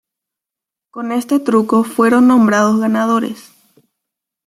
Con este truco fueron nombrados ganadores.